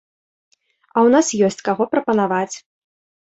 А ў нас ёсць каго прапанаваць.